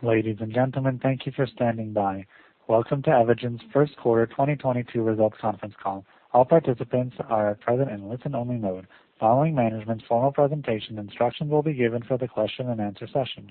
Ladies and gentlemen, thank you for standing by. Welcome to Evogene's first quarter 2022 results conference call. All participants are present in listen-only mode. Following management's formal presentation, instructions will be given for the question and answer session.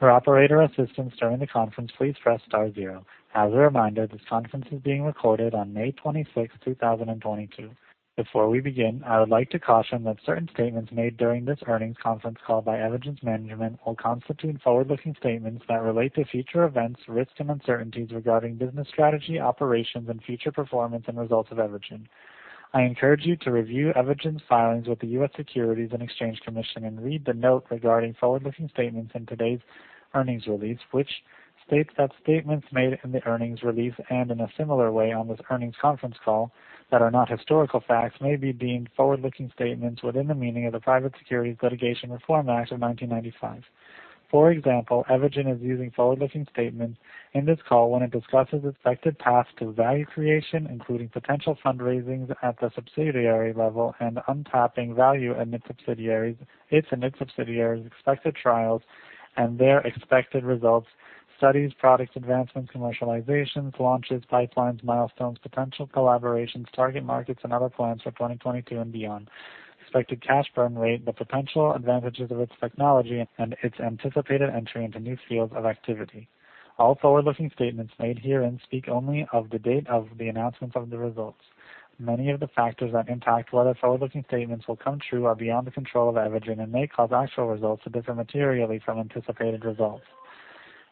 For operator assistance during the conference, please press star zero. As a reminder, this conference is being recorded on May 26th, 2022. Before we begin, I would like to caution that certain statements made during this earnings conference call by Evogene's management will constitute forward-looking statements that relate to future events, risks, and uncertainties regarding business strategy, operations, and future performance and results of Evogene. I encourage you to review Evogene's filings with the U.S. Securities and Exchange Commission and read the note regarding forward-looking statements in today's earnings release, which states that statements made in the earnings release and in a similar way on this earnings conference call that are not historical facts may be deemed forward-looking statements within the meaning of the Private Securities Litigation Reform Act of 1995. For example, Evogene is using forward-looking statements in this call when it discusses expected paths to value creation, including potential fundraisings at the subsidiary level and untapping value in its subsidiaries, its and its subsidiaries expected trials and their expected results, studies, products advancements, commercializations, launches, pipelines, milestones, potential collaborations, target markets, and other plans for 2022 and beyond, expected cash burn rate, the potential advantages of its technology, and its anticipated entry into new fields of activity. All forward-looking statements made herein speak only of the date of the announcement of the results. Many of the factors that impact whether forward-looking statements will come true are beyond the control of Evogene and may cause actual results to differ materially from anticipated results.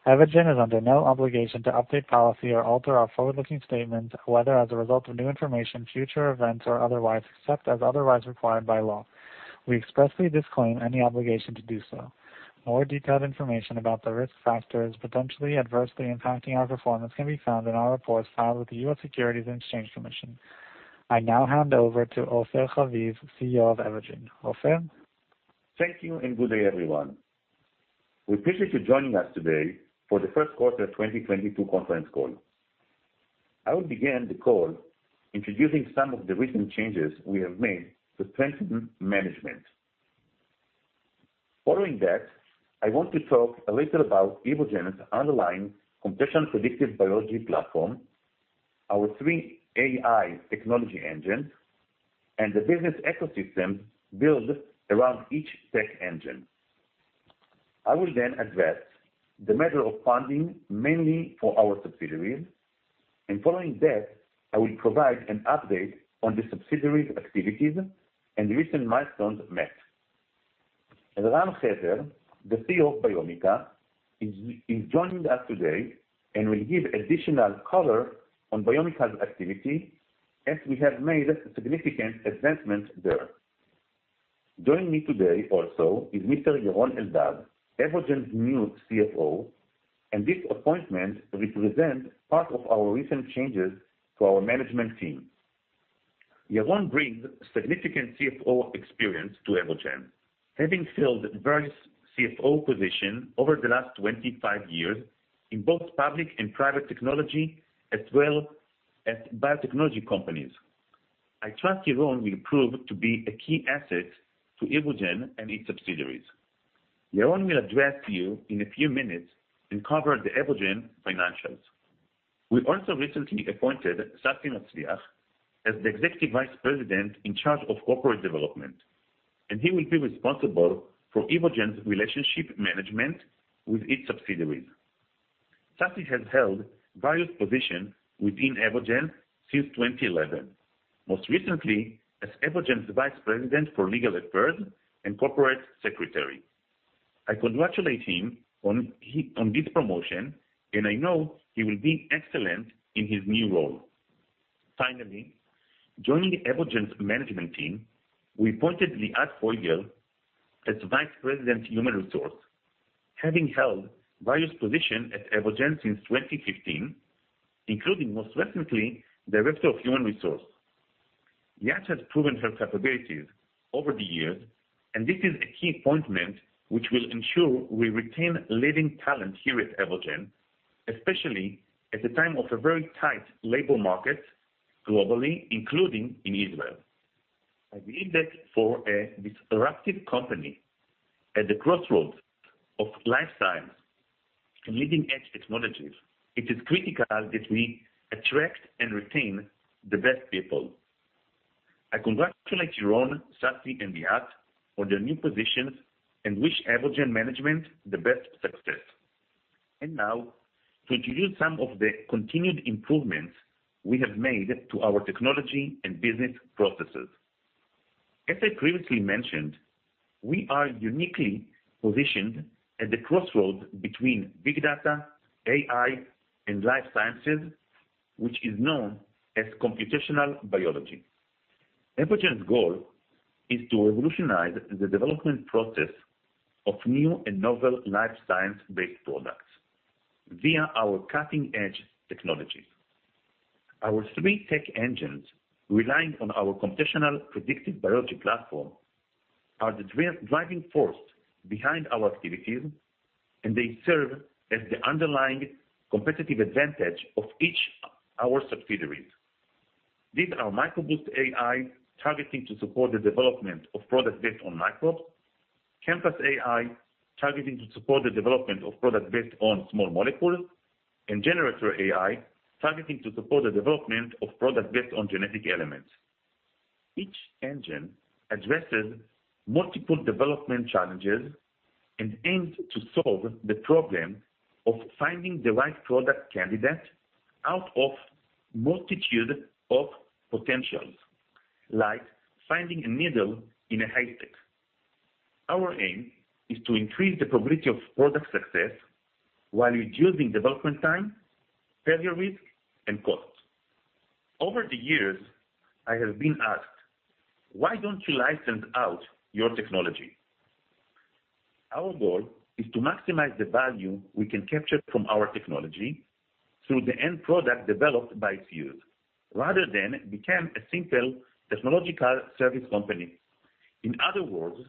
Evogene is under no obligation to update publicly or alter our forward-looking statements, whether as a result of new information, future events, or otherwise, except as otherwise required by law. We expressly disclaim any obligation to do so. More detailed information about the risk factors potentially adversely impacting our performance can be found in our reports filed with the U.S. Securities and Exchange Commission. I now hand over to Ofer Haviv, CEO of Evogene. Ofer? Thank you, and good day, everyone. We appreciate you joining us today for the first quarter 2022 conference call. I will begin the call introducing some of the recent changes we have made to strengthen management. Following that, I want to talk a little about Evogene's underlying computational predictive biology platform, our three AI technology engines, and the business ecosystem built around each tech engine. I will then address the matter of funding mainly for our subsidiaries. Following that, I will provide an update on the subsidiaries' activities and the recent milestones met. Elran Haber, the CEO of Biomica, is joining us today and will give additional color on Biomica's activity as we have made significant advancements there. Joining me today also is Mr. Yaron Eldad, Evogene's new CFO, and this appointment represent part of our recent changes to our management team. Yaron brings significant CFO experience to Evogene, having filled various CFO positions over the last 25 years in both public and private technology, as well as biotechnology companies. I trust Yaron will prove to be a key asset to Evogene and its subsidiaries. Yaron will address you in a few minutes and cover the Evogene financials. We also recently appointed Tsafi Matzliach as the Executive Vice President in charge of corporate development, and he will be responsible for Evogene's relationship management with its subsidiaries. Tsafi has held various positions within Evogene since 2011, most recently as Evogene's Vice President for Legal Affairs and Corporate Secretary. I congratulate him on this promotion, and I know he will be excellent in his new role. Finally, joining Evogene's management team, we appointed Liat Foigel as Vice President, Human Resources, having held various positions at Evogene since 2015, including most recently, Director of Human Resources. Liat has proven her capabilities over the years, and this is a key appointment which will ensure we retain leading talent here at Evogene, especially at the time of a very tight labor market globally, including in Israel. I believe that for a disruptive company at the crossroads of life sciences and leading-edge technologies, it is critical that we attract and retain the best people. I congratulate Yaron, Tsafi, and Liat on their new positions and wish Evogene management the best success. Now to introduce some of the continued improvements we have made to our technology and business processes. As I previously mentioned, we are uniquely positioned at the crossroads between big data, AI, and life sciences, which is known as computational biology. Evogene's goal is to revolutionize the development process of new and novel life science-based products via our cutting-edge technology. Our three tech engines, relying on our computational predictive biology platform, are the driving force behind our activities, and they serve as the underlying competitive advantage of each our subsidiaries. These are MicroBoost AI, targeting to support the development of products based on microbes. ChemPass AI, targeting to support the development of products based on small molecules. Generator AI, targeting to support the development of products based on genetic elements. Each engine addresses multiple development challenges and aims to solve the problem of finding the right product candidate out of multitude of potentials, like finding a needle in a haystack. Our aim is to increase the probability of product success while reducing development time, failure risk, and costs. Over the years, I have been asked, "Why don't you license out your technology?" Our goal is to maximize the value we can capture from our technology through the end product developed by us, rather than become a simple technological service company. In other words,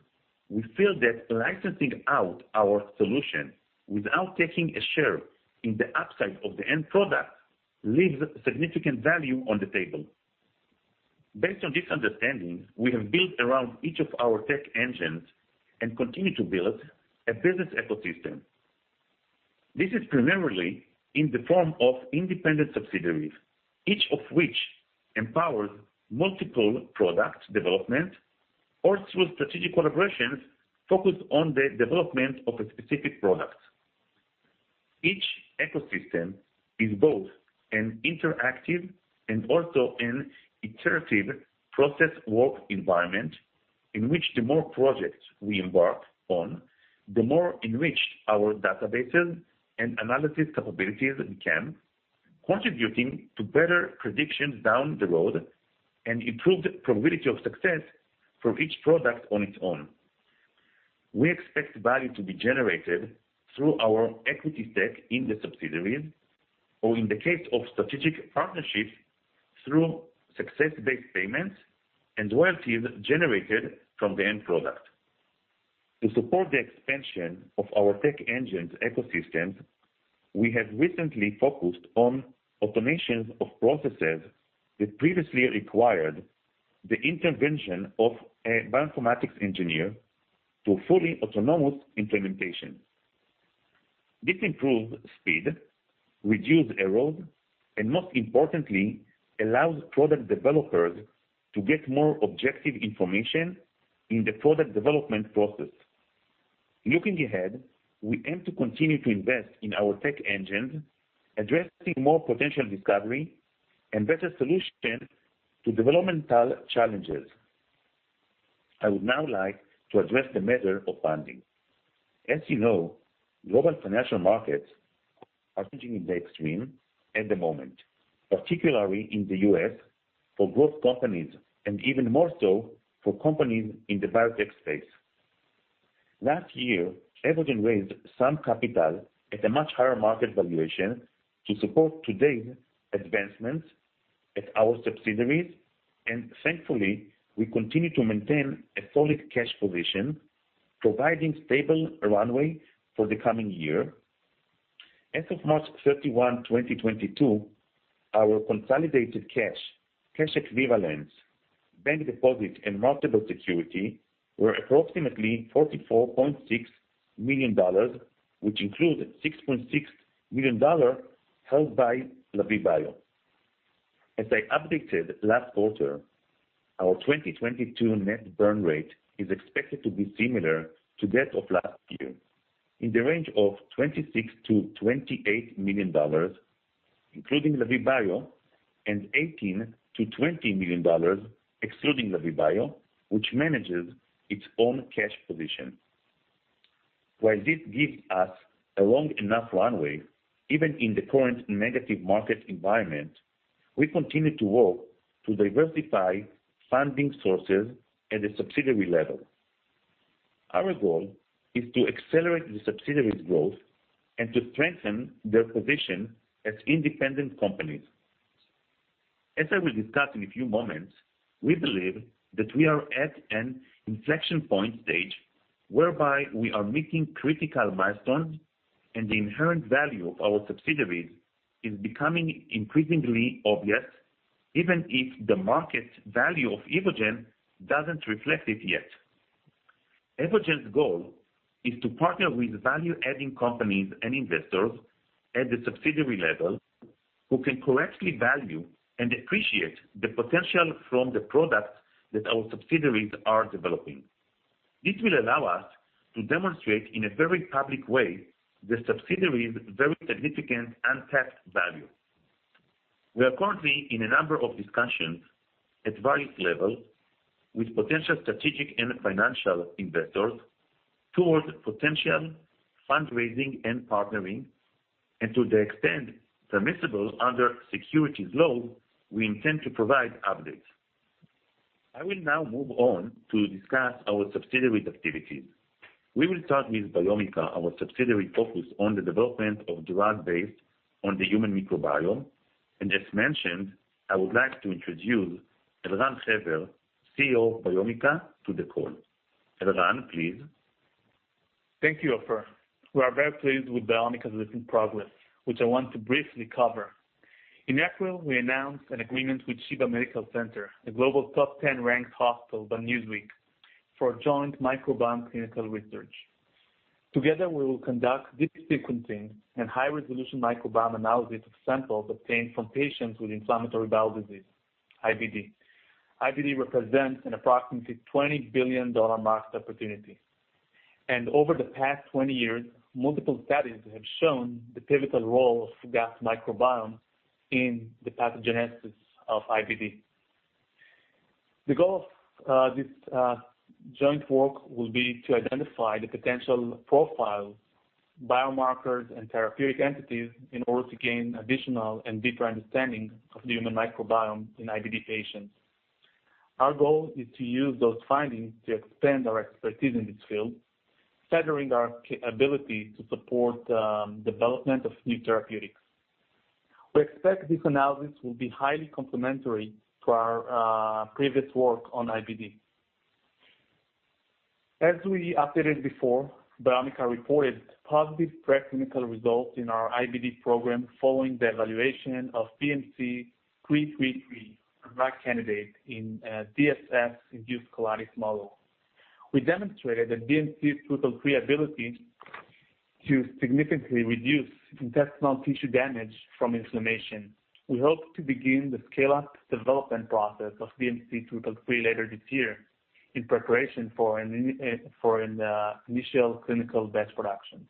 we feel that licensing out our solution without taking a share in the upside of the end product leaves significant value on the table. Based on this understanding, we have built around each of our tech engines, and continue to build, a business ecosystem. This is primarily in the form of independent subsidiaries, each of which empowers multiple product development or through strategic collaborations focused on the development of a specific product. Each ecosystem is both an interactive and also an iterative process work environment in which the more projects we embark on, the more enriched our databases and analysis capabilities become, contributing to better predictions down the road and improved probability of success for each product on its own. We expect value to be generated through our equity stack in the subsidiaries or, in the case of strategic partnerships, through success-based payments and royalties generated from the end product. To support the expansion of our tech engines ecosystems, we have recently focused on automations of processes that previously required the intervention of a bioinformatics engineer to fully autonomous implementation. This improves speed, reduces error, and most importantly, allows product developers to get more objective information in the product development process. Looking ahead, we aim to continue to invest in our tech engines, addressing more potential discovery and better solutions to developmental challenges. I would now like to address the matter of funding. As you know, global financial markets are changing in the extreme at the moment, particularly in the U.S. for growth companies, and even more so for companies in the biotech space. Last year, Evogene raised some capital at a much higher market valuation to support today's advancements at our subsidiaries. Thankfully, we continue to maintain a solid cash position, providing stable runway for the coming year. As of March 31, 2022, our consolidated cash equivalents, bank deposits, and marketable securities were approximately $44.6 million, which includes $6.6 million held by Lavie. As I updated last quarter, our 2022 net burn rate is expected to be similar to that of last year in the range of $26 million-$28 million, including Lavie, and $18 million-$20 million excluding Lavie, which manages its own cash position. While this gives us a long enough runway, even in the current negative market environment, we continue to work to diversify funding sources at a subsidiary level. Our goal is to accelerate the subsidiaries' growth and to strengthen their position as independent companies. As I will discuss in a few moments, we believe that we are at an inflection point stage whereby we are making critical milestones, and the inherent value of our subsidiaries is becoming increasingly obvious, even if the market value of Evogene doesn't reflect it yet. Evogene's goal is to partner with value-adding companies and investors at the subsidiary level who can correctly value and appreciate the potential from the products that our subsidiaries are developing. This will allow us to demonstrate in a very public way the subsidiaries' very significant untapped value. We are currently in a number of discussions at various levels with potential strategic and financial investors towards potential fundraising and partnering. To the extent permissible under securities laws, we intend to provide updates. I will now move on to discuss our subsidiaries' activities. We will start with Biomica, our subsidiary focused on the development of drug based on the human microbiome. As mentioned, I would like to introduce Elran Haber, CEO of Biomica, to the call. Elran, please. Thank you, Ofer. We are very pleased with Biomica's recent progress, which I want to briefly cover. In April, we announced an agreement with Sheba Medical Center, a global top 10 ranked hospital by Newsweek, for a joint microbiome clinical research. Together, we will conduct deep sequencing and high-resolution microbiome analysis of samples obtained from patients with inflammatory bowel disease, IBD. IBD represents an approximately $20 billion market opportunity, and over the past 20 years, multiple studies have shown the pivotal role of gut microbiome in the pathogenesis of IBD. The goal of this joint work will be to identify the potential profile biomarkers and therapeutic entities in order to gain additional and deeper understanding of the human microbiome in IBD patients. Our goal is to use those findings to expand our expertise in this field, furthering our capability to support development of new therapeutics. We expect this analysis will be highly complementary to our previous work on IBD. As we updated before, Biomica reported positive pre-clinical results in our IBD program following the evaluation of BMC-333, a drug candidate in a DSS-induced colitis model. We demonstrated that BMC-333's ability to significantly reduce intestinal tissue damage from inflammation. We hope to begin the scale-up development process of BMC-333 later this year in preparation for an initial clinical batch production.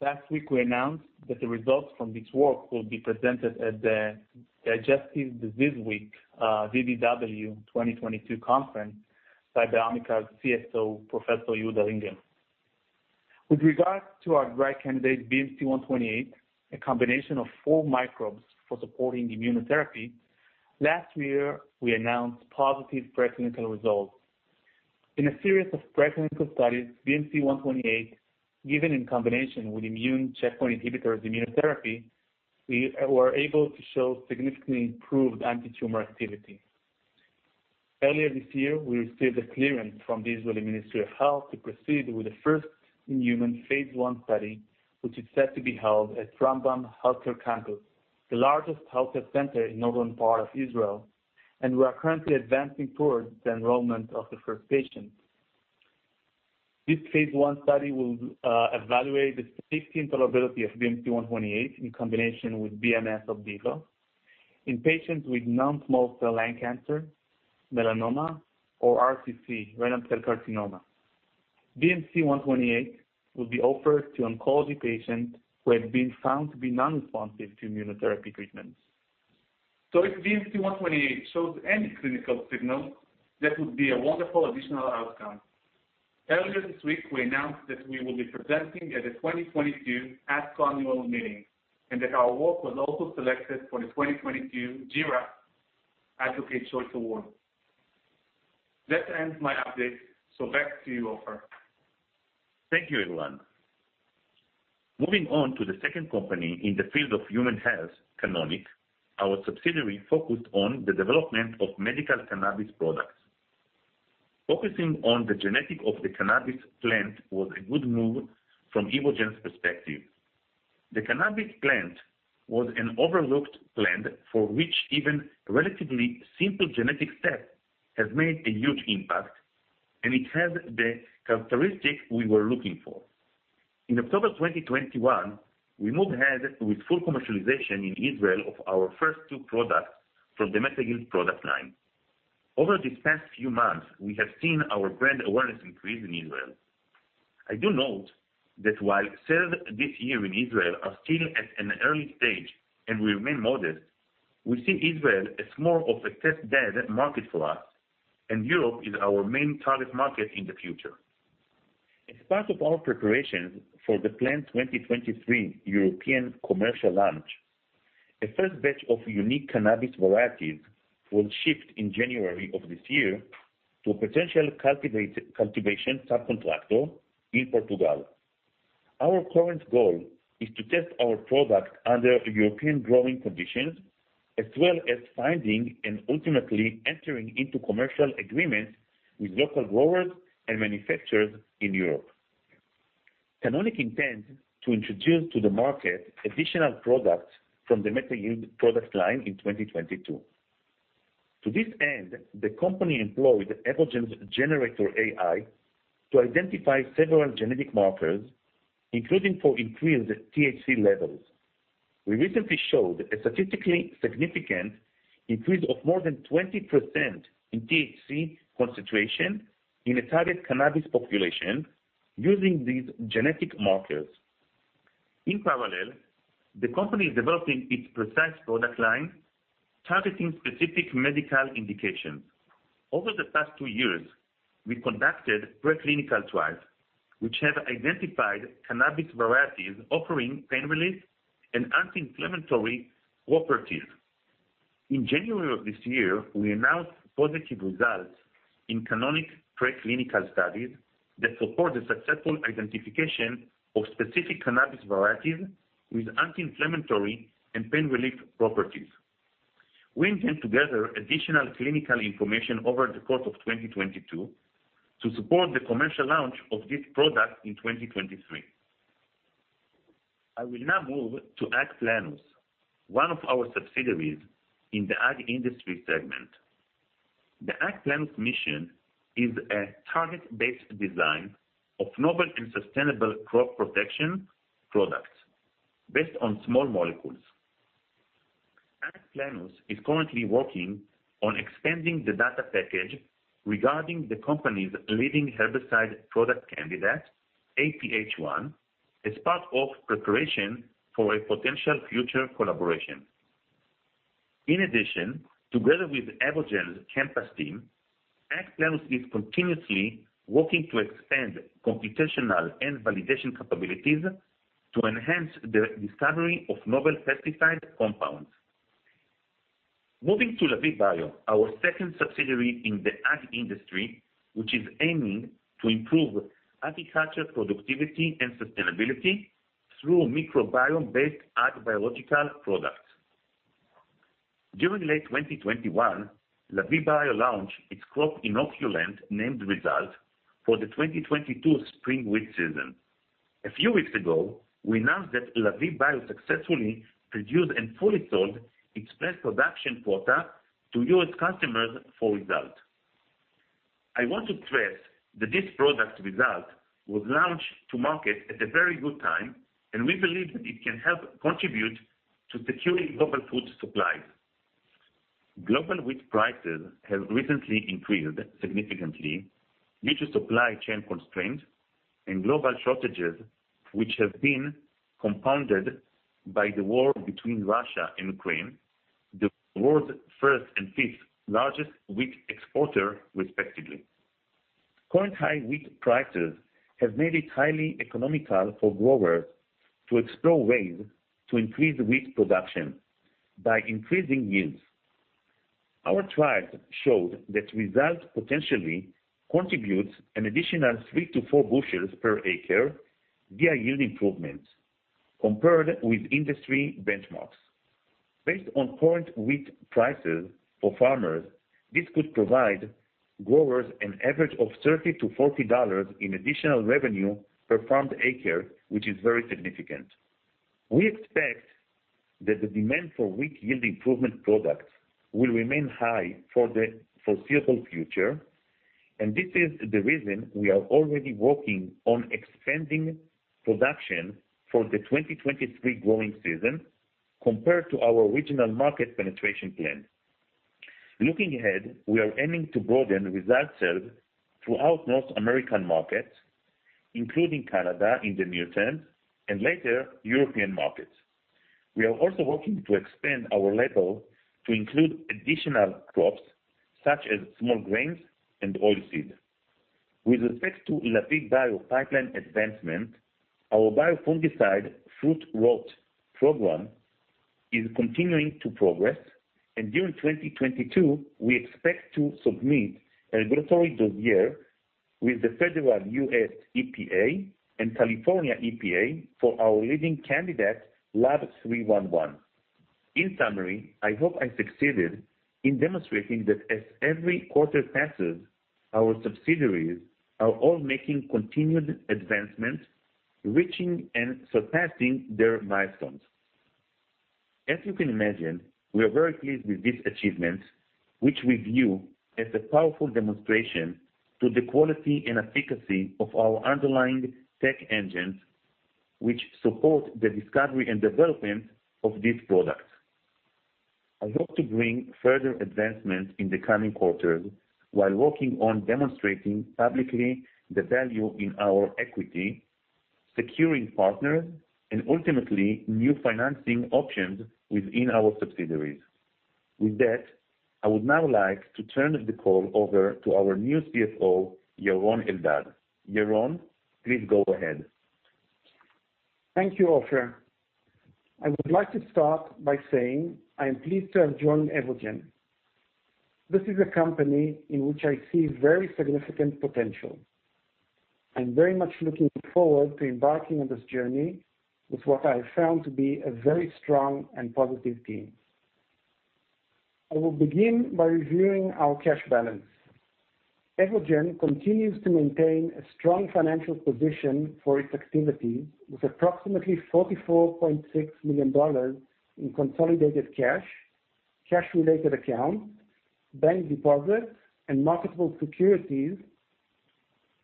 Last week, we announced that the results from this work will be presented at the Digestive Disease Week, DDW 2022 conference by Biomica's CSO, Professor Yehuda Ringel. With regards to our drug candidate, BMC-128, a combination of four microbes for supporting immunotherapy, last year we announced positive pre-clinical results. In a series of preclinical studies, BMC one twenty-eight, given in combination with immune checkpoint inhibitors immunotherapy, we were able to show significantly improved antitumor activity. Earlier this year, we received the clearance from the Israeli Ministry of Health to proceed with the first human phase I study, which is set to be held at Rambam Health Care Campus, the largest healthcare center in northern part of Israel, and we are currently advancing towards the enrollment of the first patient. This phase I study will evaluate the safety and tolerability of BMC one twenty-eight in combination with BMS Opdivo in patients with non-small cell lung cancer, melanoma or RCC, renal cell carcinoma. BMC one twenty-eight will be offered to oncology patients who have been found to be non-responsive to immunotherapy treatments. If BMC one twenty-eight shows any clinical signal, that would be a wonderful additional outcome. Earlier this week, we announced that we will be presenting at the 2022 ASCO annual meeting and that our work was also selected for the 2022 JITC Advocate Choice Award. That ends my update. Back to you, Ofer. Thank you, Elran. Moving on to the second company in the field of human health, Canonic, our subsidiary focused on the development of medical cannabis products. Focusing on the genetics of the cannabis plant was a good move from Evogene's perspective. The cannabis plant was an overlooked plant for which even relatively simple genetic step has made a huge impact, and it had the characteristic we were looking for. In October 2021, we moved ahead with full commercialization in Israel of our first two products from the MetaYield product line. Over these past few months, we have seen our brand awareness increase in Israel. I do note that while sales this year in Israel are still at an early stage and remain modest, we see Israel as more of a test bed market for us, and Europe is our main target market in the future. As part of our preparation for the planned 2023 European commercial launch, a first batch of unique cannabis varieties was shipped in January of this year to a potential cultivation subcontractor in Portugal. Our current goal is to test our product under European growing conditions, as well as finding and ultimately entering into commercial agreements with local growers and manufacturers in Europe. Cannonic intends to introduce to the market additional products from the MetaYield product line in 2022. To this end, the company employed Evogene's GeneRator AI to identify several genetic markers, including for increased THC levels. We recently showed a statistically significant increase of more than 20% in THC concentration in a target cannabis population using these genetic markers. In parallel, the company is developing its Precise product line, targeting specific medical indications. Over the past two years, we conducted pre-clinical trials which have identified cannabis varieties offering pain relief and anti-inflammatory properties. In January of this year, we announced positive results in Canonic pre-clinical studies that support the successful identification of specific cannabis varieties with anti-inflammatory and pain relief properties. We intend to gather additional clinical information over the course of 2022 to support the commercial launch of this product in 2023. I will now move to AgPlenus, one of our subsidiaries in the ag industry segment. The AgPlenus mission is a target-based design of novel and sustainable crop protection products based on small molecules. AgPlenus is currently working on expanding the data package regarding the company's leading herbicide product candidate, APH1, as part of preparation for a potential future collaboration. In addition, together with Evogene's campus team, AgPlenus is continuously working to expand computational and validation capabilities to enhance the discovery of novel pesticide compounds. Moving to Lavie Bio, our second subsidiary in the ag industry, which is aiming to improve agriculture productivity and sustainability through microbiome-based ag biological products. During late 2021, Lavie Bio launched its crop inoculant, named Result, for the 2022 spring wheat season. A few weeks ago, we announced that Lavie Bio successfully produced and fully sold its first production quota to U.S. customers for Result. I want to stress that this product, Result, was launched to market at a very good time, and we believe it can help contribute to securing global food supplies. Global wheat prices have recently increased significantly due to supply chain constraints and global shortages, which have been compounded by the war between Russia and Ukraine, the world's first and fifth largest wheat exporter respectively. Current high wheat prices have made it highly economical for growers to explore ways to increase wheat production by increasing yields. Our trials showed that result potentially contributes an additional three to four bushels per acre via yield improvements compared with industry benchmarks. Based on current wheat prices for farmers, this could provide growers an average of $30-$40 in additional revenue per farmed acre, which is very significant. We expect that the demand for wheat yield improvement products will remain high for the foreseeable future, and this is the reason we are already working on expanding production for the 2023 growing season compared to our original market penetration plan. Looking ahead, we are aiming to broaden result sales throughout North American markets, including Canada in the near term, and later, European markets. We are also working to expand our label to include additional crops such as small grains and oilseed. With respect to Lavie Bio pipeline advancement, our bio-fungicide fruit rot program is continuing to progress. During 2022, we expect to submit a regulatory dossier with the federal U.S. EPA and California EPA for our leading candidate, LAV311. In summary, I hope I succeeded in demonstrating that as every quarter passes, our subsidiaries are all making continued advancements, reaching and surpassing their milestones. As you can imagine, we are very pleased with this achievement, which we view as a powerful demonstration to the quality and efficacy of our underlying tech engines, which support the discovery and development of these products. I hope to bring further advancement in the coming quarters while working on demonstrating publicly the value in our equity, securing partners, and ultimately, new financing options within our subsidiaries. With that, I would now like to turn the call over to our new CFO, Yaron Eldad. Yaron, please go ahead. Thank you, Ofer. I would like to start by saying I am pleased to have joined Evogene. This is a company in which I see very significant potential. I'm very much looking forward to embarking on this journey with what I found to be a very strong and positive team. I will begin by reviewing our cash balance. Evogene continues to maintain a strong financial position for its activity, with approximately $44.6 million in consolidated cash-related accounts, bank deposits, and marketable securities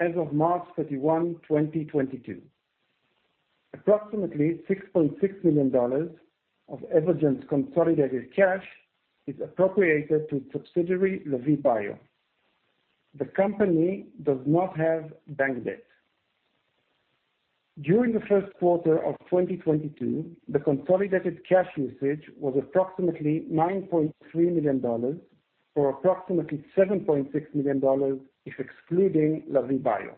as of March 31, 2022. Approximately $6.6 million of Evogene's consolidated cash is appropriated to subsidiary Lavie Bio. The company does not have bank debt. During the first quarter of 2022, the consolidated cash usage was approximately $9.3 million, or approximately $7.6 million if excluding Lavie Bio.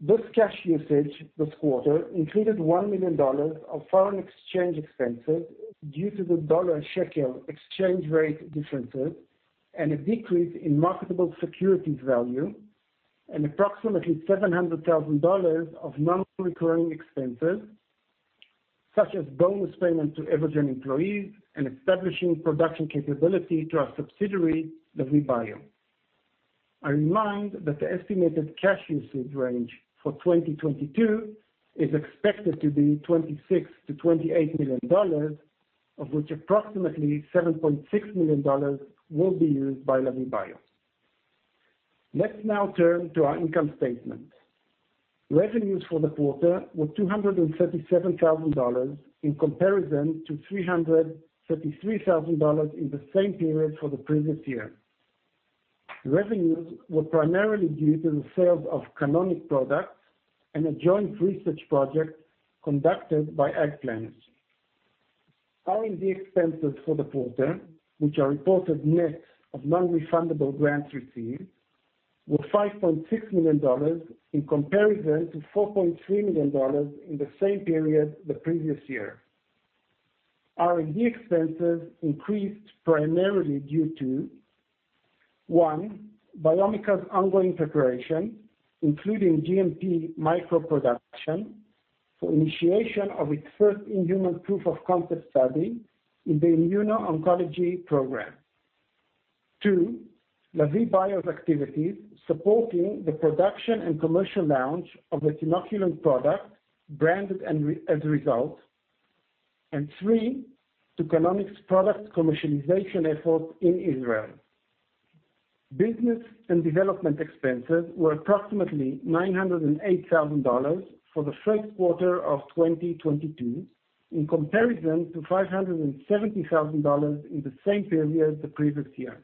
This cash usage this quarter included $1 million of foreign exchange expenses due to the dollar-shekel exchange rate differences and a decrease in marketable securities value. And approximately $700,000 of non-recurring expenses, such as bonus payments to Evogene employees and establishing production capability to our subsidiary, the Lavie Bio. I remind that the estimated cash usage range for 2022 is expected to be $26 million-$28 million, of which approximately $7.6 million will be used by Lavie Bio. Let's now turn to our income statement. Revenues for the quarter were $237,000 in comparison to $333,000 in the same period for the previous year. Revenues were primarily due to the sales of Canonic products and a joint research project conducted by AgPlenus. R&D expenses for the quarter, which are reported net of non-refundable grants received, were $5.6 million in comparison to $4.3 million in the same period the previous year. R&D expenses increased primarily due to, one, Biomica's ongoing preparation, including GMP microbial production for initiation of its first-in-human proof of concept study in the immuno-oncology program. Two, Lavie Bio's activities supporting the production and commercial launch of the result™ product, branded as result™. Three, Canonic's product commercialization effort in Israel. Business development expenses were approximately $908,000 for the first quarter of 2022, in comparison to $570,000 in the same period the previous year.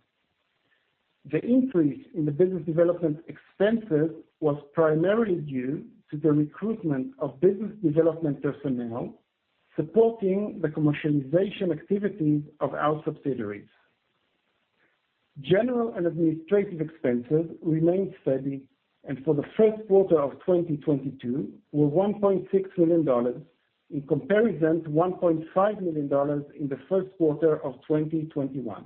The increase in the business development expenses was primarily due to the recruitment of business development personnel supporting the commercialization activities of our subsidiaries. General and administrative expenses remained steady, and for the first quarter of 2022 were $1.6 million, in comparison to $1.5 million in the first quarter of 2021.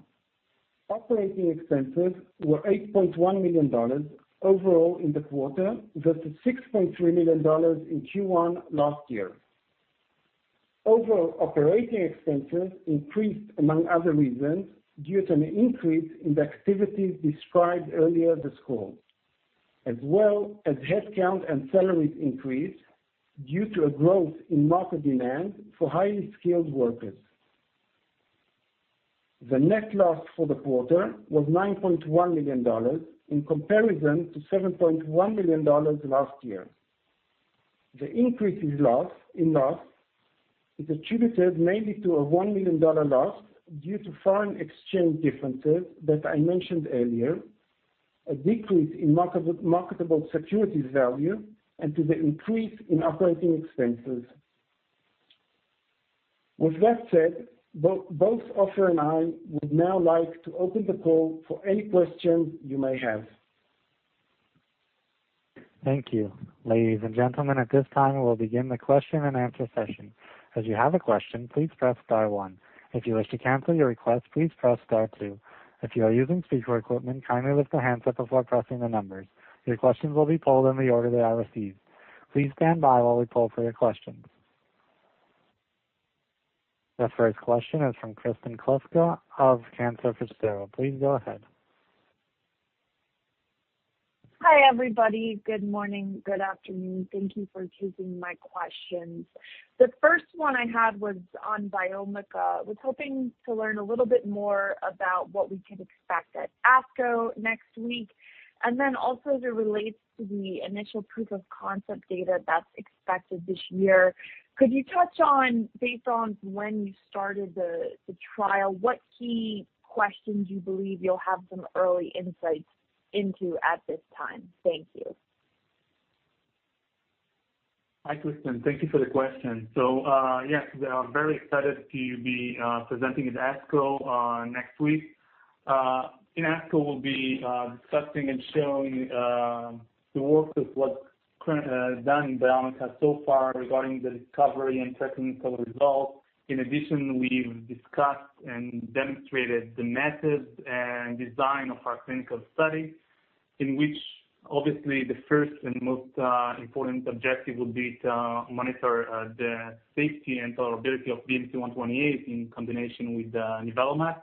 Operating expenses were $8.1 million overall in the quarter, versus $6.3 million in Q1 last year. Overall operating expenses increased, among other reasons, due to an increase in the activities described earlier this call, as well as headcount and salaries increased due to a growth in market demand for highly skilled workers. The net loss for the quarter was $9.1 million, in comparison to $7.1 million last year. The increase in loss is attributed mainly to a $1 million loss due to foreign exchange differences that I mentioned earlier, a decrease in marketable securities value, and to the increase in operating expenses. With that said, both Ofer and I would now like to open the call for any questions you may have. Thank you. Ladies and gentlemen, at this time, we'll begin the question and answer session. As you have a question, please press star one. If you wish to cancel your request, please press star two. If you are using speaker equipment, kindly lift the handset before pressing the numbers. Your questions will be pulled in the order that I received. Please stand by while we pull for your questions. The first question is from Kristen Kluska of Cantor Fitzgerald. Please go ahead. Hi, everybody. Good morning. Good afternoon. Thank you for taking my questions. The first one I had was on Biomica. I was hoping to learn a little bit more about what we can expect at ASCO next week, and then also as it relates to the initial proof of concept data that's expected this year. Could you touch on, based on when you started the trial, what key questions you believe you'll have some early insights into at this time? Thank you. Hi, Kristen. Thank you for the question. Yes, I'm very excited to be presenting at ASCO next week. In ASCO, we'll be discussing and showing the work we've currently done in Biomica so far regarding the discovery and technical results. In addition, we've discussed and demonstrated the methods and design of our clinical study, in which obviously the first and most important objective will be to monitor the safety and tolerability of BMC128 in combination with nivolumab.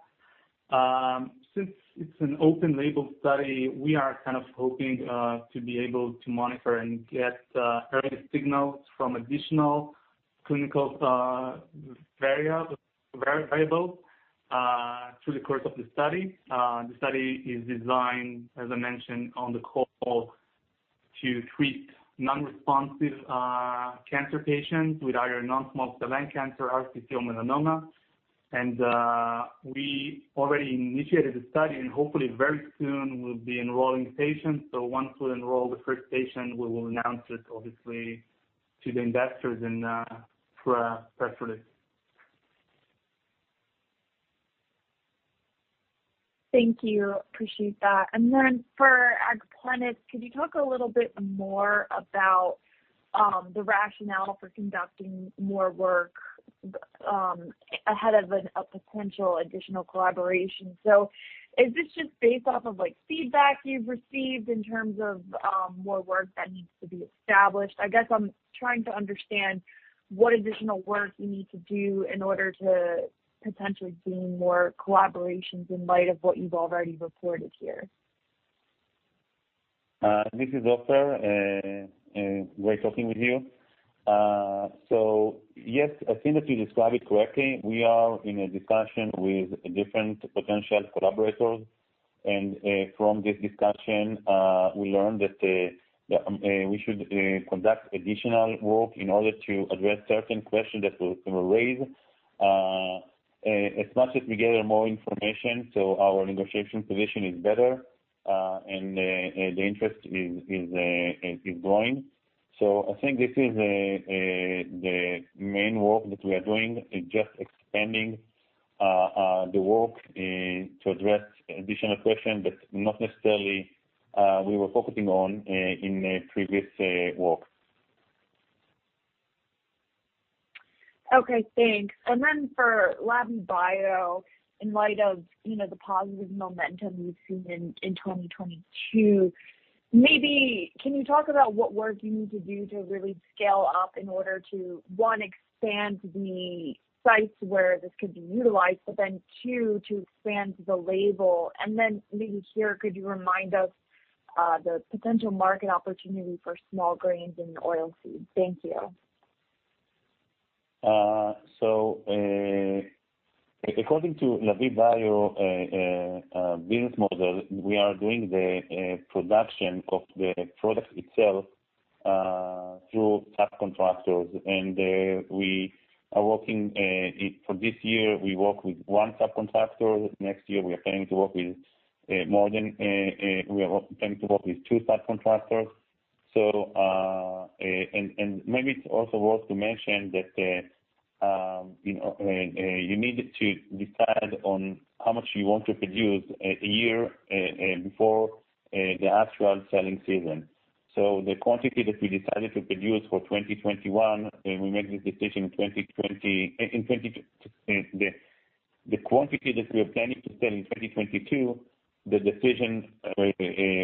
Since it's an open label study, we are kind of hoping to be able to monitor and get early signals from additional clinical variables through the course of the study. The study is designed, as I mentioned on the call, to treat non-responsive cancer patients with either non-small cell lung cancer or melanoma. We already initiated the study, and hopefully very soon we'll be enrolling patients. Once we enroll the first patient, we will announce it obviously to the investors and press release. Thank you. Appreciate that. For AgPlenus, could you talk a little bit more about the rationale for conducting more work ahead of a potential additional collaboration. Is this just based off of like feedback you've received in terms of more work that needs to be established? I guess I'm trying to understand what additional work you need to do in order to potentially gain more collaborations in light of what you've already reported here. This is Ofer. Great talking with you. Yes, I think that you described it correctly. We are in a discussion with different potential collaborators, and from this discussion, we learned that we should conduct additional work in order to address certain questions that were raised. As much as we gather more information, so our negotiation position is better, and the interest is growing. I think this is the main work that we are doing, is just expanding the work to address additional questions that not necessarily we were focusing on in the previous work. Okay, thanks. For Lavie Bio, in light of, you know, the positive momentum we've seen in 2022, maybe can you talk about what work you need to do to really scale up in order to, one, expand the sites where this could be utilized, but then two, to expand the label? Maybe here could you remind us, the potential market opportunity for small grains and oil seeds? Thank you. According to Lavie Bio business model, we are doing the production of the product itself through subcontractors. For this year, we work with one subcontractor. Next year, we are planning to work with two subcontractors. Maybe it's also worth to mention that, you know, you need to decide on how much you want to produce a year before the actual selling season. The quantity that we decided to produce for 2021, we made this decision in 2020. The quantity that we are planning to sell in 2022, the decision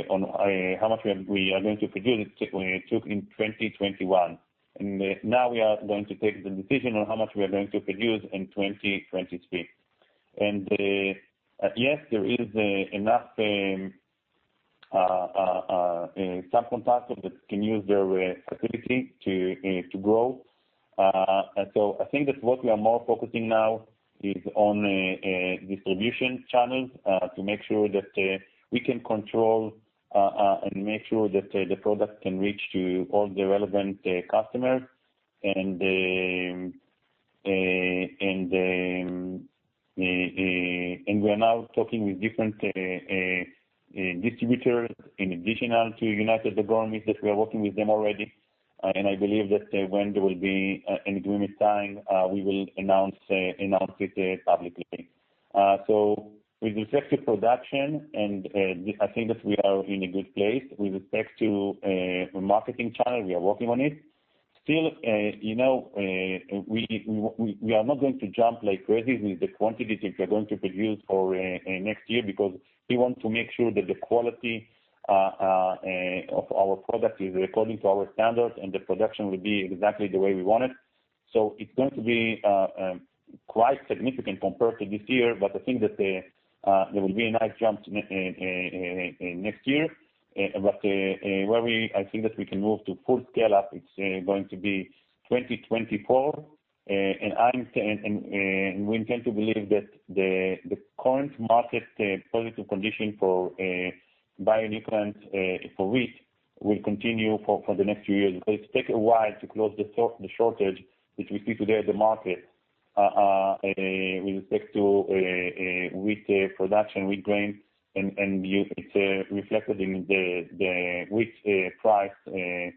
on how much we are going to produce, we took in 2021. Now we are going to take the decision on how much we are going to produce in 2023. Yes, there is enough subcontractors that can use their capacity to grow. I think that what we are more focusing now is on distribution channels to make sure that we can control and make sure that the product can reach to all the relevant customers. We are now talking with different distributors in addition to United Agronomists, that we are working with them already. I believe that when there will be an agreement signed, we will announce it publicly. With respect to production and I think that we are in a good place. With respect to marketing channel, we are working on it. Still, you know, we are not going to jump like crazy with the quantities that we are going to produce for next year because we want to make sure that the quality of our product is according to our standards, and the production will be exactly the way we want it. It's going to be quite significant compared to this year. I think that there will be a nice jump next year. I think that we can move to full scale-up; it's going to be 2024. We intend to believe that the current market positive condition for bio-inoculants for wheat will continue for the next few years. It takes a while to close the shortage, which we see today in the market with respect to wheat production, wheat grains, and it's reflected in the wheat price, as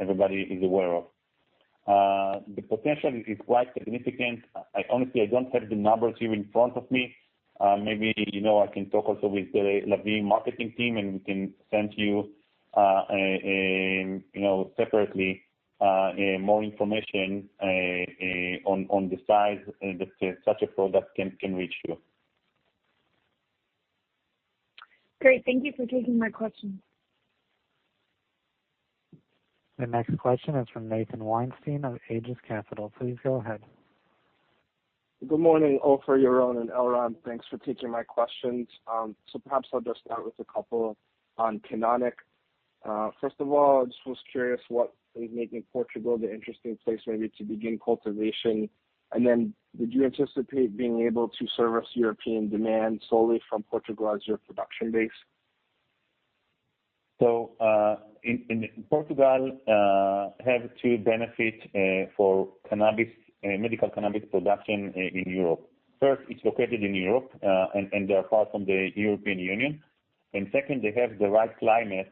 everybody is aware of. The potential is quite significant. I honestly don't have the numbers here in front of me. Maybe, you know, I can talk also with the Lavie marketing team, and we can send you know, separately more information on the size that such a product can reach you. Great. Thank you for taking my questions. The next question is from Nathan Weinstein from Aegis capital Please go ahead. Good morning, Ofer, Yaron and Elran. Thanks for taking my questions. Perhaps I'll just start with a couple on Canonic. First of all, I just was curious what is making Portugal the interesting place maybe to begin cultivation? Would you anticipate being able to service European demand solely from Portugal as your production base? In Portugal, we have two benefits for medical cannabis production in Europe. First, it's located in Europe, and they're part of the European Union. Second, they have the right climate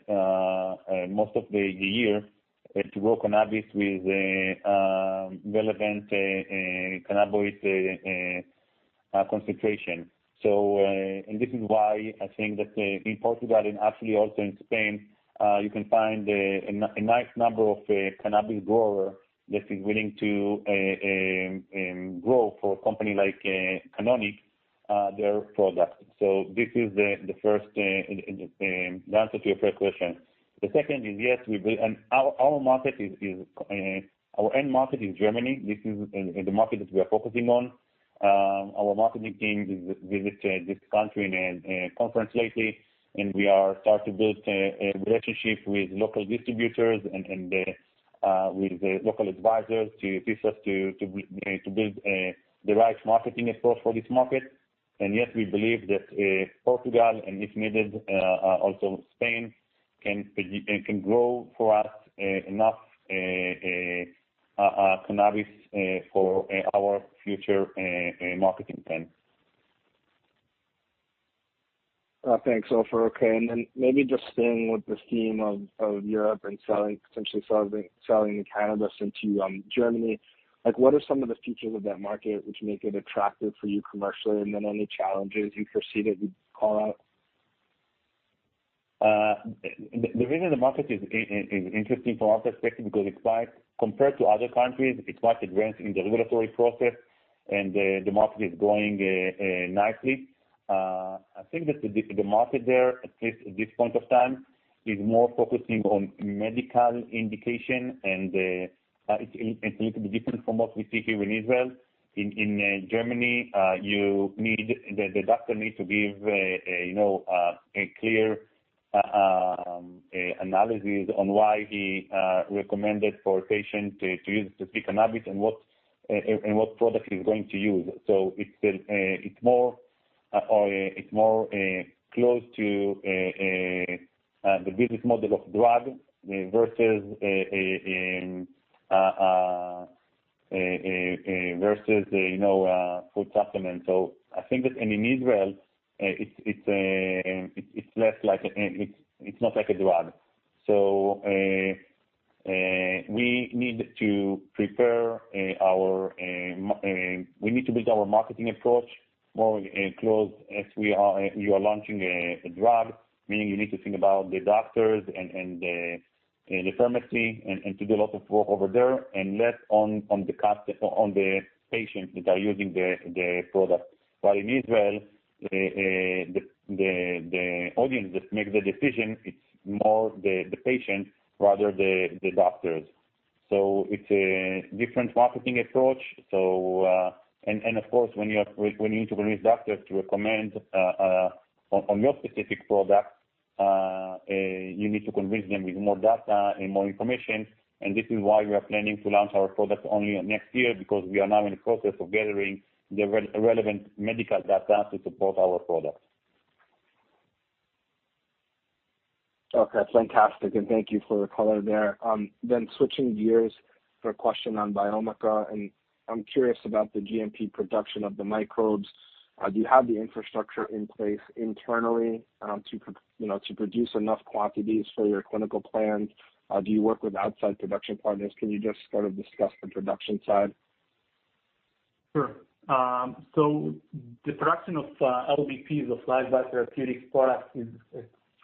most of the year to grow cannabis with relevant cannabinoid concentration. This is why I think that in Portugal and actually also in Spain, you can find a nice number of cannabis growers that are willing to grow for a company like Canonic their product. This is the first answer to your first question. The second is, yes, we believe. Our end market is Germany. This is in the market that we are focusing on. Our marketing team visited this country in a conference lately, and we are starting to build a relationship with local distributors and with the local advisors to assist us to build the right marketing approach for this market. Yes, we believe that Portugal and if needed also Spain can grow for us enough cannabis for our future marketing plan. Thanks, Ofer. Okay. Maybe just staying with this theme of Europe and potentially selling cannabis into Germany. Like, what are some of the features of that market which make it attractive for you commercially, and then any challenges you foresee that you'd call out? The reason the market is interesting from our perspective because it's quite advanced compared to other countries in the regulatory process, and the market is growing nicely. I think that the market there, at least at this point of time, is more focusing on medical indication and it's a little bit different from what we see here in Israel. In Germany, you need the doctor needs to give a, you know, clear analysis on why he recommended for a patient to use this cannabis and what product he's going to use. It's more close to the business model of a drug versus, you know, a food supplement. I think that in Israel it's not like a drug. We need to build our marketing approach more close as we are launching a drug, meaning you need to think about the doctors and the pharmacy and to do a lot of work over there and less on the patients that are using the product. While in Israel, the audience that make the decision, it's more the patient rather the doctors. It's a different marketing approach. Of course, when you need to convince doctors to recommend your specific product, you need to convince them with more data and more information. This is why we are planning to launch our product only next year, because we are now in the process of gathering the relevant medical data to support our product. Okay. Fantastic. Thank you for the color there. Switching gears for a question on Biomica, and I'm curious about the GMP production of the microbes. Do you have the infrastructure in place internally to produce enough quantities for your clinical plans? Do you work with outside production partners? Can you just sort of discuss the production side? Sure. The production of LBP, the live biotherapeutic product, is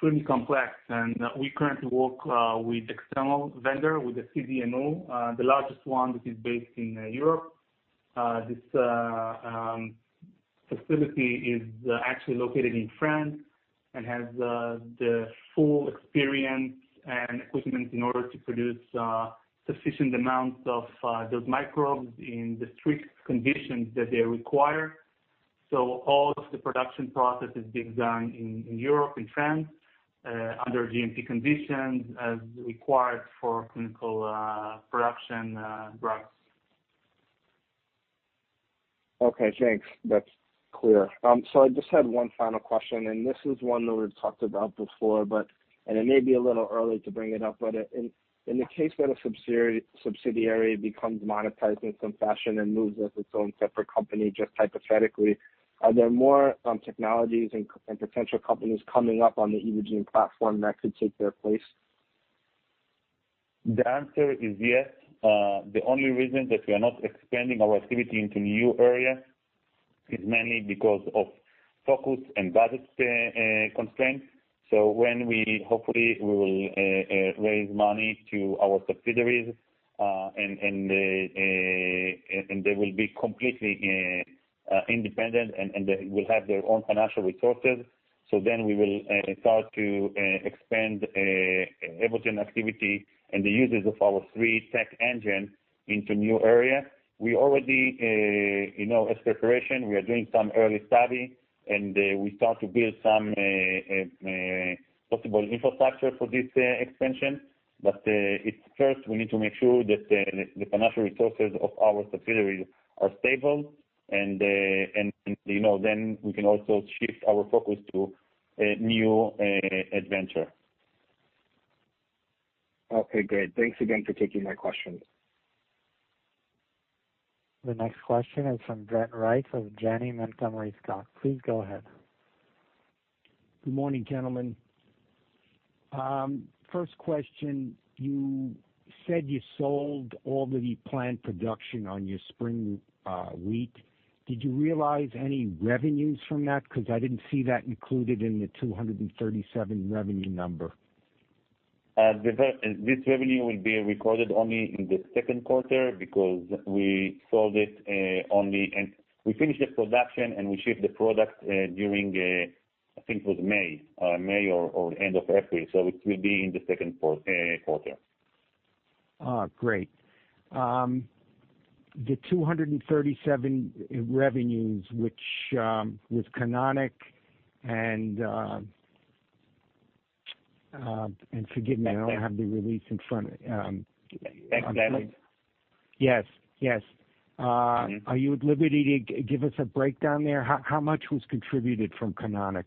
pretty complex, and we currently work with external vendor, with the CDMO, the largest one that is based in Europe. This facility is actually located in France and has the full experience and equipment in order to produce sufficient amounts of those microbes in the strict conditions that they require. All of the production process is being done in Europe, in France, under GMP conditions as required for clinical production drugs. Okay, thanks. That's clear. So I just had one final question, and this is one that we've talked about before, but it may be a little early to bring it up, in the case that a subsidiary becomes monetized in some fashion and moves as its own separate company, just hypothetically, are there more technologies and potential companies coming up on the Evogene platform that could take their place? The answer is yes. The only reason that we are not expanding our activity into new area is mainly because of focus and budget constraints. When we hopefully will raise money to our subsidiaries, and they will be completely independent and they will have their own financial resources, we will start to expand Evogene activity and the uses of our three tech engine into new area. We already, you know, as preparation, we are doing some early study and we start to build some possible infrastructure for this expansion. It's first we need to make sure that the financial resources of our subsidiaries are stable and, you know, then we can also shift our focus to a new adventure. Okay, great. Thanks again for taking my questions. The next question is from Brent Rice of Janney Montgomery Scott. Please go ahead. Good morning, gentlemen. First question, you said you sold all the plant production on your spring wheat. Did you realize any revenues from that? Because I didn't see that included in the $237 revenue number. This revenue will be recorded only in the second quarter because we sold it only. We finished the production, and we shipped the product during, I think it was May or end of April, so it will be in the second quarter. Oh, great. The $237 revenues which was Canonic and forgive me, I don't have the release in front. Can- Yes. Yes. Mm-hmm. Are you at liberty to give us a breakdown there? How much was contributed from Canonic?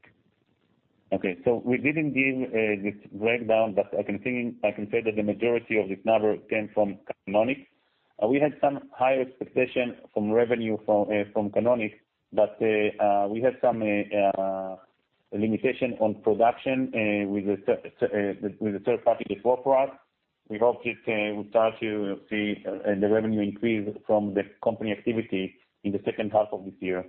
Okay. We didn't give this breakdown, but I can say that the majority of this number came from Canonic. We had some higher expectation from revenue from Canonic, but we had some limitation on production with the third party that work for us. We hope it will start to see the revenue increase from the company activity in the second half of this year.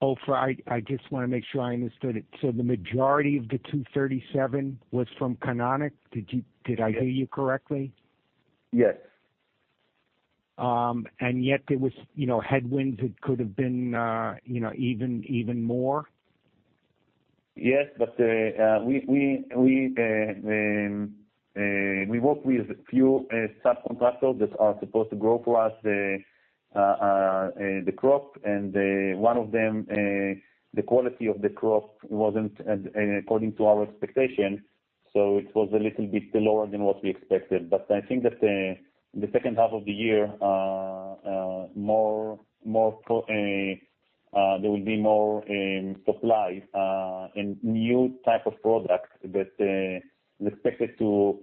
Ofer, I just wanna make sure I understood it. The majority of the 237 was from Canonic? Did I hear you correctly? Yes. There was, you know, headwinds that could have been, you know, even more? Yes, we worked with a few sub-contractors that are supposed to grow for us the crop, and one of them the quality of the crop wasn't according to our expectation, so it was a little bit lower than what we expected. I think that the second half of the year there will be more production, more supply, and new type of products that we expected to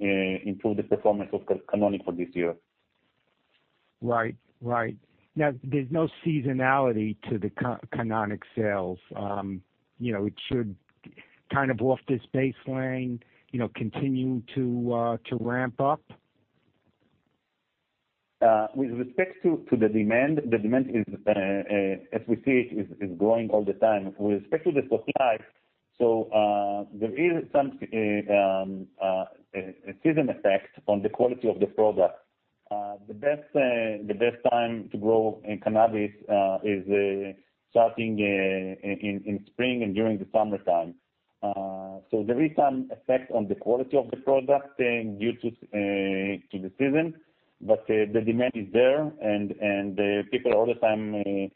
improve the performance of Canonic for this year. Right. Now, there's no seasonality to the Canonic sales. You know, it should kind of off this baseline, you know, continue to ramp up? With respect to the demand, the demand is, as we see it, growing all the time. With respect to the supply, there is some seasonal effect on the quality of the product. The best time to grow cannabis is starting in spring and during the summertime. There is some effect on the quality of the product due to the season, but the demand is there and people all the time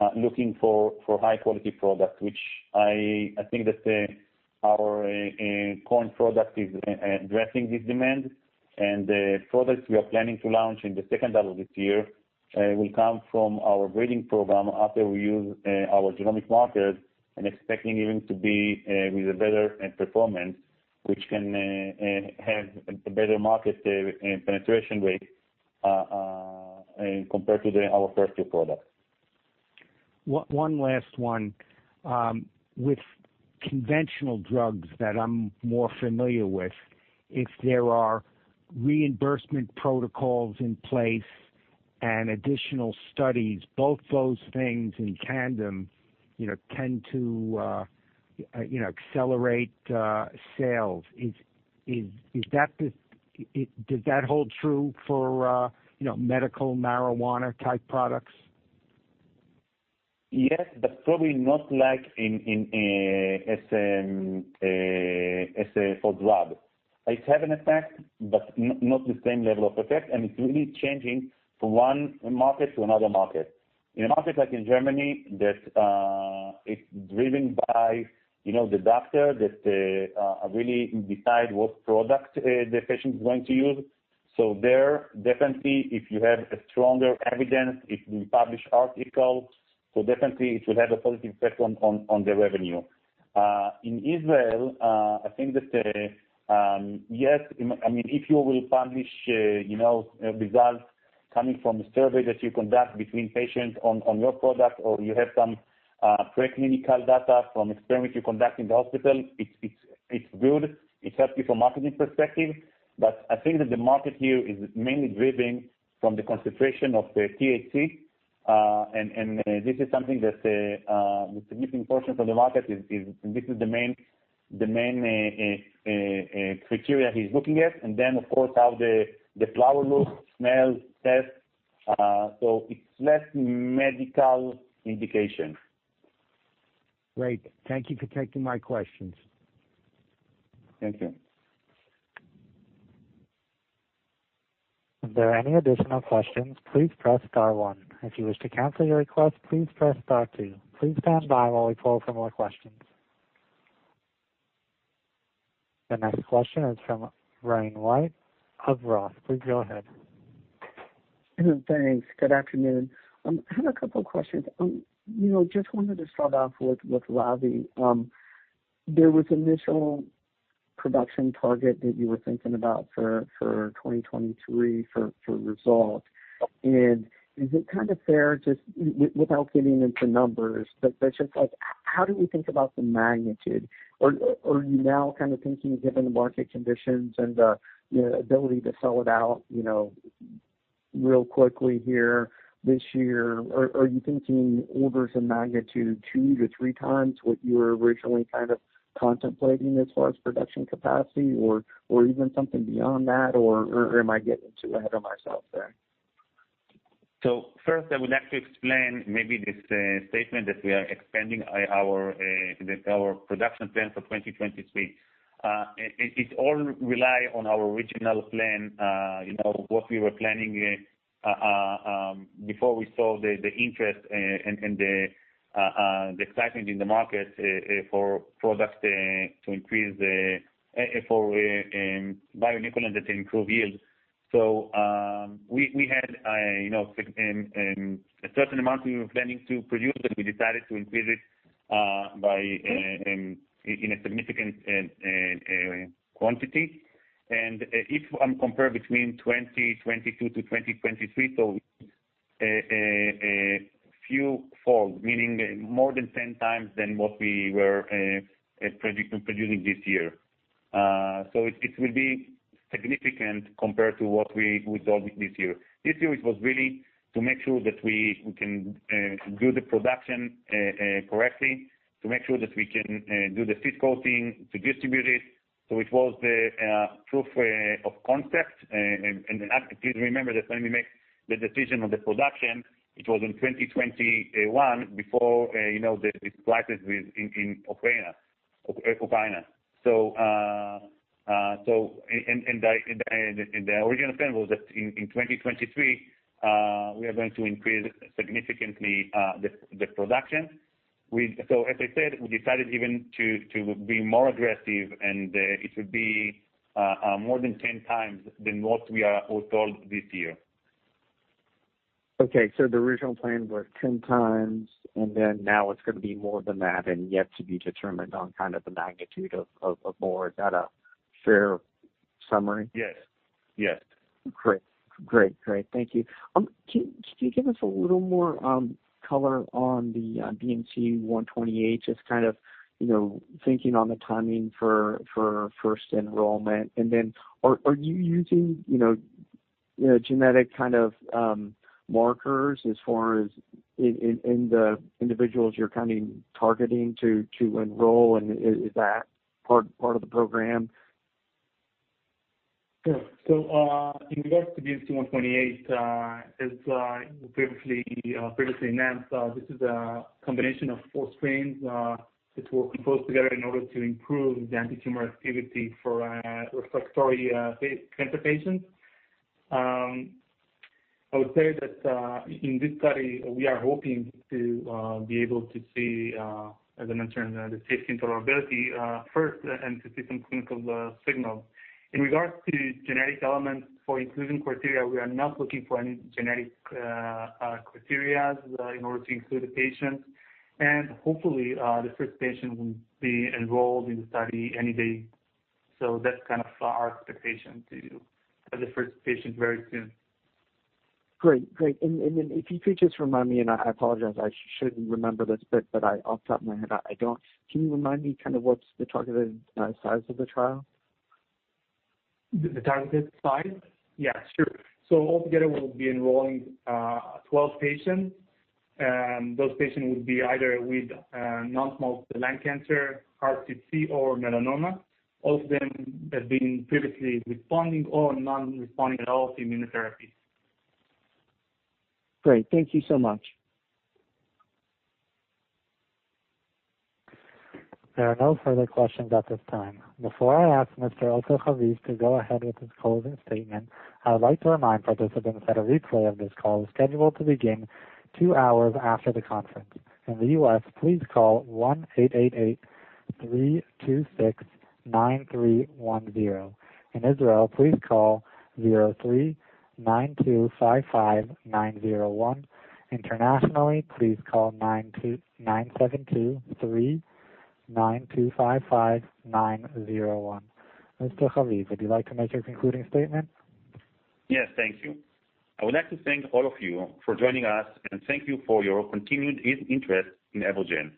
are looking for high quality product, which I think that our Canonic product is addressing this demand. The products we are planning to launch in the second half of this year will come from our breeding program after we use our genomic markers and expecting even to be with a better performance, which can have a better market penetration rate compared to our first two products. One last one. With conventional drugs that I'm more familiar with, if there are reimbursement protocols in place and additional studies, both those things in tandem, you know, tend to accelerate sales. Does that hold true for, you know, medical marijuana-type products? Yes, probably not like in, as a food or drug. It have an effect, but not the same level of effect, and it's really changing from one market to another market. In a market like in Germany that is driven by, you know, the doctor that really decide what product the patient is going to use. There, definitely if you have a stronger evidence, if we publish article, so definitely it will have a positive effect on the revenue. In Israel, I think that, yes, I mean, if you will publish, you know, results coming from a survey that you conduct between patients on your product or you have some preclinical data from experiments you conduct in the hospital, it's good. It helps you from marketing perspective, but I think that the market here is mainly driven from the concentration of the THC. This is something that the significant portion of the market is, and this is the main criteria he's looking at. Of course, how the flower looks, smells, taste. It's less medical indication. Great. Thank you for taking my questions. Thank you. If there are any additional questions, please press star one. If you wish to cancel your request, please press star two. Please stand by while we poll for more questions. The next question is from Brian Wright of Roth. Please go ahead. Thanks. Good afternoon. I have a couple questions. You know, just wanted to start off with Lavie. There was initial Production target that you were thinking about for 2023 for result. Is it kind of fair just without getting into numbers, but just like how do we think about the magnitude? Or are you now kind of thinking given the market conditions and your ability to sell it out, you know, real quickly here this year, are you thinking orders of magnitude two to three times what you were originally kind of contemplating as far as production capacity or even something beyond that, or am I getting too ahead of myself there? First, I would like to explain maybe this statement that we are expanding our production plan for 2023. It all rely on our original plan, you know, what we were planning before we saw the interest and the excitement in the market for products to increase for bio-inoculant that improve yields. We had, you know, a certain amount we were planning to produce, and we decided to increase it by a significant quantity. If one compare between 2022 to 2023, so a few fold, meaning more than 10 times than what we were producing this year. It will be significant compared to what we sold this year. This year it was really to make sure that we can do the production correctly, to make sure that we can do the seed coating to distribute it. It was the proof of concept. Please remember that when we make the decision on the production, it was in 2021 before the crisis within Ukraine for China. The original plan was that in 2023 we are going to increase significantly the production. As I said, we decided even to be more aggressive and it would be more than 10 times than what we have sold this year. Okay. The original plan was 10 times, and then now it's gonna be more than that and yet to be determined on kind of the magnitude of more. Is that a fair summary? Yes. Yes. Great. Thank you. Can you give us a little more color on the BMC128, just kind of, you know, thinking on the timing for first enrollment? And then are you using, you know, genetic kind of markers as far as in the individuals you're kind of targeting to enroll, and is that part of the program? Sure. In regards to BMC128, as previously announced, this is a combination of four strains that were composed together in order to improve the antitumor activity for refractory cancer patients. I would say that in this study, we are hoping to be able to see, as I mentioned, the safety and tolerability first and to see some clinical signal. In regards to genetic elements for inclusion criteria, we are not looking for any genetic criteria in order to include the patients. Hopefully, the first patient will be enrolled in the study any day. That's kind of our expectation to have the first patient very soon. Great. If you could just remind me, and I apologize, I should remember this, but I off the top of my head, I don't. Can you remind me kind of what's the targeted size of the trial? The targeted size? Yeah, sure. All together, we'll be enrolling 12 patients. Those patients will be either with non-small cell lung cancer, RCC or melanoma. All of them have been previously responding or non-responding at all to immunotherapy. Great. Thank you so much. There are no further questions at this time. Before I ask Mr. Ofer Haviv to go ahead with his closing statement, I would like to remind participants that a replay of this call is scheduled to begin two hours after the conference. In the US, please call 1-888-326-9310. In Israel, please call 03-925-5901. Internationally, please call 972-3-925-5901. Mr. Haviv, would you like to make your concluding statement? Yes, thank you. I would like to thank all of you for joining us, and thank you for your continued interest in Evogene.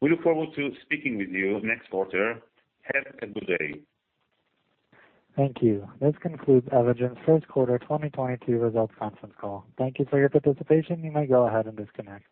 We look forward to speaking with you next quarter. Have a good day. Thank you. This concludes Evogene's first quarter 2022 results conference call. Thank you for your participation. You may go ahead and disconnect.